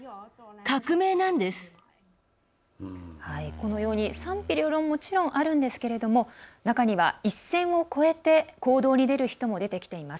このように賛否両論もちろんあるんですけれども中には一線を越えて行動に出る人も出てきています。